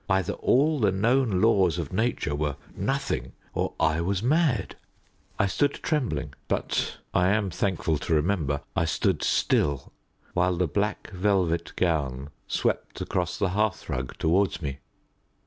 Either all the known laws of nature were nothing, or I was mad. I stood trembling, but, I am thankful to remember, I stood still, while the black velvet gown swept across the hearthrug towards me.